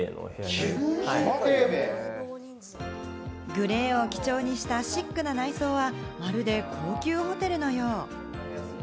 グレーを基調にしたシックな内装は、まるで高級ホテルのよう。